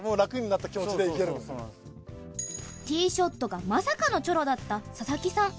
ティショットがまさかのチョロだった佐々木さん。